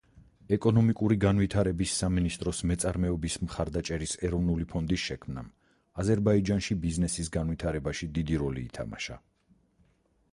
ეკონომიკური განვითარების სამინისტროს მეწარმეობის მხარდაჭერის ეროვნული ფონდის შექმნამ აზერბაიჯანში ბიზნესის განვითარებაში დიდი როლი ითამაშა.